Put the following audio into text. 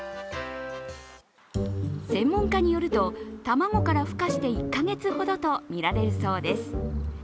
専門家によると、卵からふ化して１カ月ほどとみられるそうです。